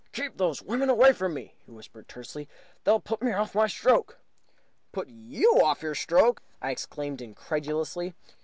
"Keep those women away from me," he whispered tensely. "They'll put me off my stroke!" "Put you off your stroke!" I exclaimed, incredulously.